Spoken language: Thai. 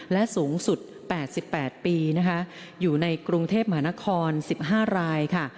และสูงสุด๘๘ปีนะคะอยู่ในกรุงเทพมหานคร๑๕รายค่ะ